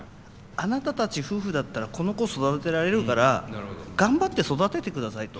あなたたち夫婦だったらこの子育てられるから頑張って育ててくださいと。